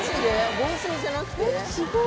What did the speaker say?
合成じゃなくて？